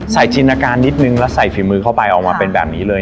จินอาการนิดนึงแล้วใส่ฝีมือเข้าไปออกมาเป็นแบบนี้เลย